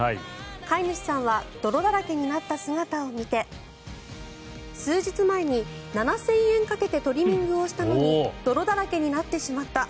飼い主さんは泥だらけになった姿を見て数日前に７０００円かけてトリミングをしたのに泥だらけになってしまった。